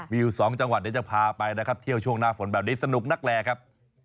มีอยู่๒จังหวัดเดี๋ยวจะพาไปนะครับเที่ยวช่วงหน้าฝนแบบนี้สนุกนักแลครับ